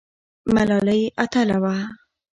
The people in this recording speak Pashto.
ملالۍ اتله وه؟